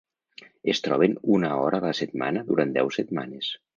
Es troben una hora a la setmana durant deu setmanes.